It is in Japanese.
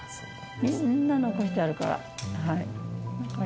みんな残してあるから。